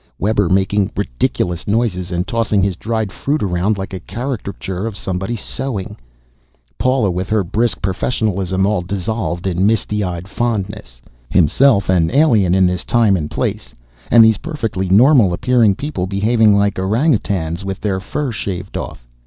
Webber making ridiculous noises and tossing his dried fruit around like a caricature of somebody sowing, Paula with her brisk professionalism all dissolved in misty eyed fondness, himself an alien in this time and place, and these perfectly normal appearing people behaving like orang utans with their fur shaved off.